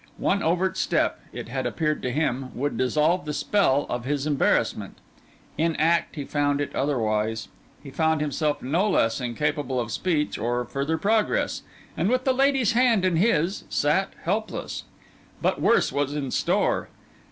One overt step, it had appeared to him, would dissolve the spell of his embarrassment; in act, he found it otherwise: he found himself no less incapable of speech or further progress; and with the lady's hand in his, sat helpless. But worse was in store.